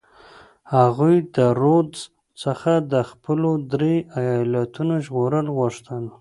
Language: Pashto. هغوی د رودز څخه د خپلو درې ایالتونو ژغورل غوښتل.